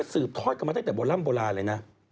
นั่นก็สืบทอดกลับมาตั้งแต่บ่อล่ำโบราณเลยนะ